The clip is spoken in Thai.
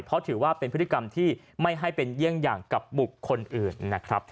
เพราะถือว่าเป็นพฤติกรรมที่ไม่ให้เป็นเยี่ยงอย่างกับบุคคลอื่นนะครับ